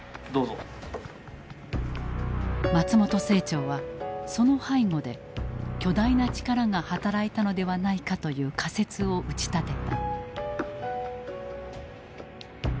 松本清張はその背後で巨大な力が働いたのではないかという仮説を打ち立てた。